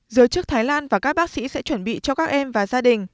giới chức thái lan và các bác sĩ sẽ chuẩn bị cho các em và gia đình